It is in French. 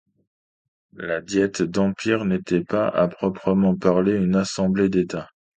La diète d'Empire n'était pas, à proprement parler, une assemblée d'états.